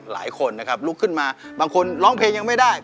หลายคนนะครับลุกขึ้นมาบางคนร้องเพลงยังไม่ได้